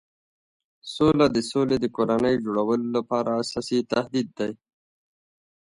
سوله د سولې د کورنۍ جوړولو لپاره اساسي تهدید دی.